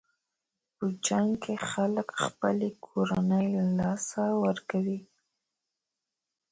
په جنګ کې خلک خپلې کورنۍ له لاسه ورکوي.